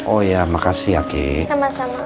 oh ya makasih ya ki sama sama